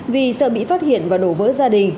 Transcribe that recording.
vì sợ bị phát hiện và đổ vỡ gia đình